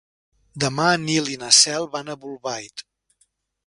Demà en Nil i na Cel van a Bolbait.